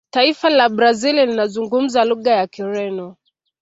taifa la brazil linazungumza lugha ya kireno